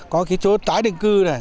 có cái chỗ tái đường cư này